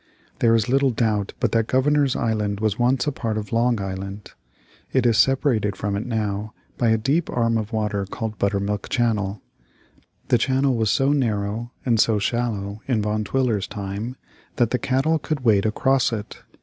There is little doubt but that Governor's Island was once a part of Long Island. It is separated from it now by a deep arm of water called Buttermilk Channel. The channel was so narrow and so shallow in Van Twiller's time that the cattle could wade across it.